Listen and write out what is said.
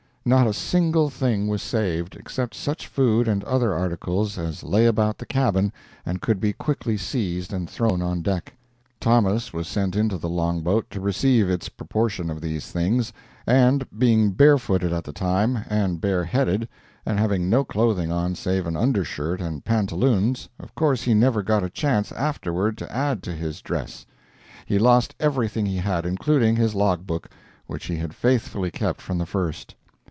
Not a single thing was saved, except such food and other articles as lay about the cabin and could be quickly seized and thrown on deck. Thomas was sent into the longboat to receive its proportion of these things, and, being barefooted at the time, and bareheaded, and having no clothing on save an undershirt and pantaloons, of course he never got a chance afterward to add to his dress. He lost everything he had, including his log book, which he had faithfully kept from the first.